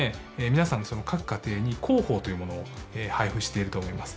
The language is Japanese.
皆さんの各家庭に広報というものを配布していると思います。